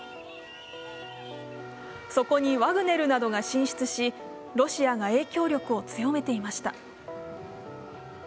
そこにワグネルなどが進出しロシアが影響力を強めていました。